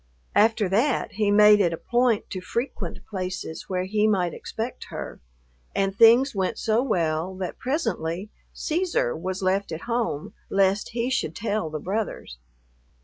After that he made it a point to frequent places where he might expect her, and things went so well that presently Cæsar was left at home lest he should tell the brothers.